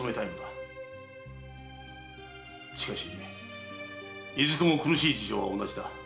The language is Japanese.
しかしいずこも苦しい事情は同じだ。